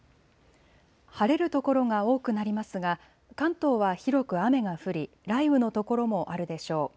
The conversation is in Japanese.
晴れる所が多くなりますが関東は広く雨が降り雷雨の所もあるでしょう。